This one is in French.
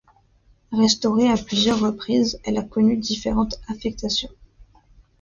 Restaurée à plusieurs reprises, elle a connu différentes affectations.